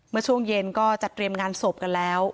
เมื่อช่วงเย็นก็จัดเตรียมงานศพกันแล้ว